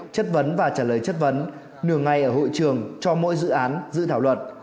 chất vấn và trả lời chất vấn nửa ngay ở hội trường cho mỗi dự án dự thảo luật